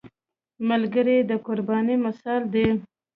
ملګری د قربانۍ مثال دی